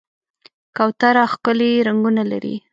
کوتره ښکلي رنګونه لري.